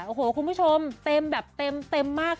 โอ้โหคุณผู้ชมเต็มแบบเต็มมาก